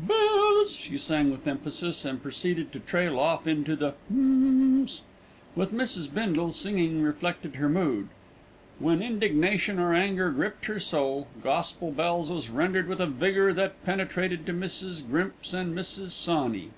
"Bells," she sang with emphasis, and proceeded to trail off into the "hms." With Mrs. Bindle, singing reflected her mood. When indignation or anger gripped her soul, "Gospel Bells" was rendered with a vigour that penetrated to Mrs. Grimps and Mrs. Sawney.